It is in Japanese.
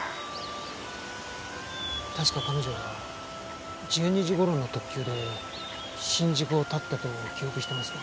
確か彼女は１２時頃の特急で新宿を発ったと記憶してますが。